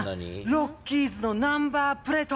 ロッキーズのナンバープレート。